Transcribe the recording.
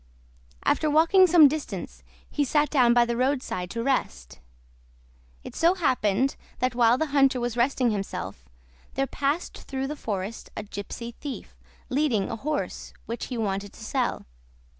After walking some distance he sat down by the roadside to rest. It so happened that while the hunter was resting himself, there passed through the forest a gypsy thief, leading a horse which he wanted to sell.